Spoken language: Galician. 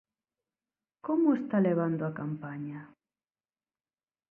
Como está levando a campaña?